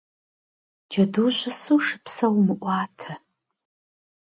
Cedu şısu şşıpse vumı'uate.